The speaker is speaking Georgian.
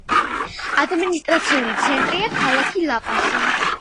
ადმინისტრაციული ცენტრია ქალაქი ლა-პასი.